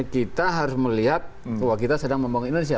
kita harus melihat bahwa kita sedang membangun indonesia